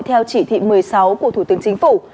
theo chỉ thị một mươi sáu của thủ tướng chính phủ